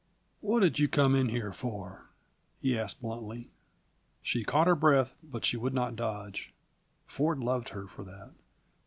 "What did you come in here for?" he asked bluntly. She caught her breath, but she would not dodge. Ford loved her for that.